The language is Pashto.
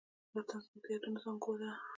وطن زموږ د یادونو زانګو ده.